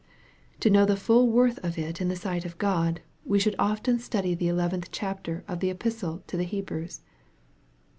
To know the full worth of it in the sight of God, we should often study the eleventh chapter of the Epis tle to the Hebrews.